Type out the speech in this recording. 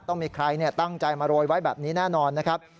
ต้องมีใครตั้งใจมาโรยไว้แบบนี้แน่นอนนะครับ